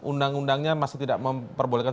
undang undangnya masih tidak memperbolehkan